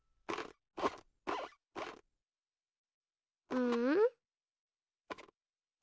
うん？